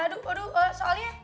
aduh aduh soalnya